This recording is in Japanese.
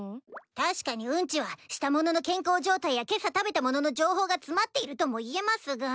確かにうんちはした者の健康状態や今朝食べた物の情報が詰まっているともいえますが。